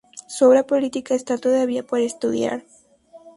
Su obra política está todavía por estudiar.